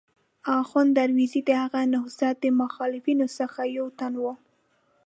اخوند درویزه د هغه نهضت د مخالفینو څخه یو تن و.